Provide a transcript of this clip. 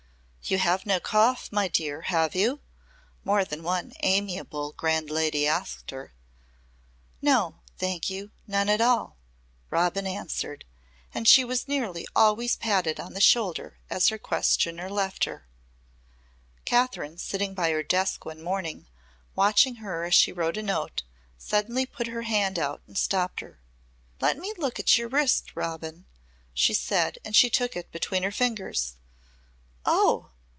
"You have no cough, my dear, have you?" more than one amiable grand lady asked her. "No, thank you none at all," Robin answered and she was nearly always patted on the shoulder as her questioner left her. Kathryn sitting by her desk one morning, watching her as she wrote a note, suddenly put her hand out and stopped her. "Let me look at your wrist, Robin," she said and she took it between her fingers. "Oh!